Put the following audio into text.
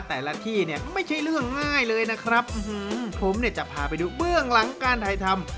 แต่ละที่เนี่ยไม่ใช่เรื่องง่ายเลยนะครับผมเนี่ยจะพาไปดูเบื้องหลังการถ่ายทำ